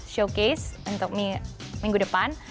showcase untuk minggu depan